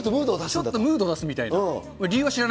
ちょっとムード出すみたいな。